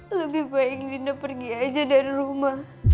lebih baik dinda pergi aja dari rumah